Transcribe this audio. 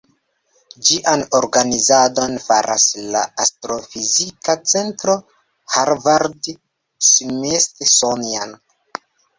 Ĝian organizadon faras la Astrofizika Centro Harvard-Smithsonian.